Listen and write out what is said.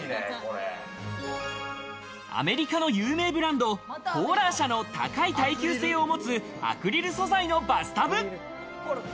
アメリカの有名ブランド、コーラー社の高い耐久性を持つアクリル素材のバスタブ。